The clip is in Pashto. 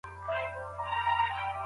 سیاستوال کله د اتباعو ساتنه کوي؟